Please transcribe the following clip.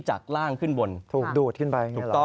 จากล่างขึ้นบนถูกดูดขึ้นไป